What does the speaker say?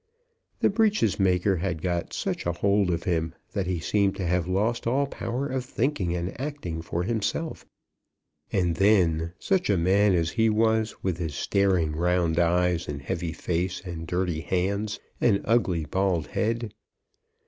The breeches maker had got such a hold of him that he seemed to have lost all power of thinking and acting for himself. And then such a man as he was, with his staring round eyes, and heavy face, and dirty hands, and ugly bald head!